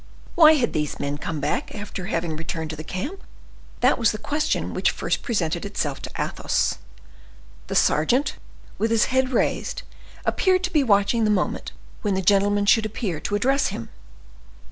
Why had these men come back after having returned to the camp? That was the question which first presented itself to Athos. The sergeant, with his head raised, appeared to be watching the moment when the gentleman should appear to address him.